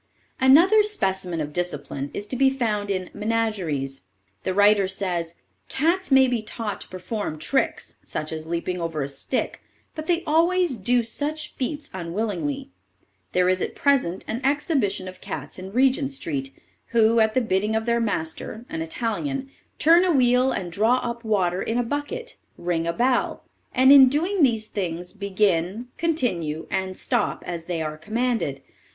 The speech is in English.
_ Another specimen of discipline is to be found in "Menageries." The writer says: "Cats may be taught to perform tricks, such as leaping over a stick, but they always do such feats unwillingly. There is at present an exhibition of cats in Regent Street, who, at the bidding of their master, an Italian, turn a wheel and draw up water in a bucket, ring a bell; and in doing these things begin, continue, and stop as they are commanded.